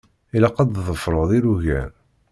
Ilaq ad tḍefṛeḍ ilugan.